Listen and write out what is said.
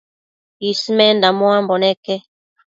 Ismenda muambo neque